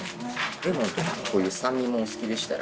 レモンとかの酸味もお好きでしたら。